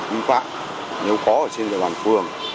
nguy phạm nếu có trên địa đoàn phường